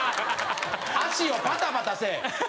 足をバタバタせえ！